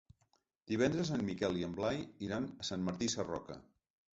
Divendres en Miquel i en Blai iran a Sant Martí Sarroca.